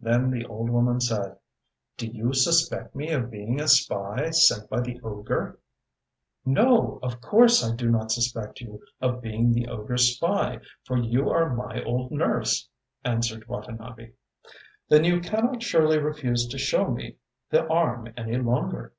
Then the old woman said: ŌĆ£Do you suspect me of being a spy sent by the ogre? ŌĆØ ŌĆ£No, of course I do not suspect you of being the ogreŌĆÖs spy, for you are my old nurse, ŌĆØ answered Watanabe. ŌĆ£Then you cannot surely refuse to show me the arm any longer.